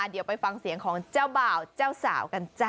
เดี๋ยวไปฟังเสียงของเจ้าบ่าวเจ้าสาวกันจ้ะ